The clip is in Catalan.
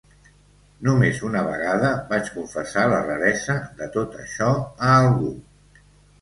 Només una vegada vaig confessar la raresa de tot això a algú.